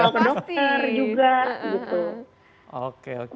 ke dokter juga gitu